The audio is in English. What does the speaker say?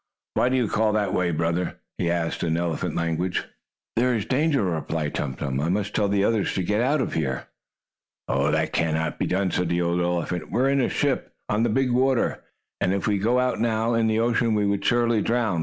"Why do you call that way, brother?" he asked in elephant language. "There is danger," replied Tum Tum. "I must tell the others to get out of here." "That cannot be done," said the old elephant. "We are in a ship, on the big water, and if we got out now, in the ocean, we would surely drown.